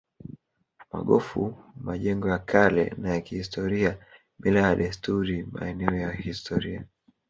Magofu majengo ya kale na ya kihistoria mila na desturi maeneo ya kihistoria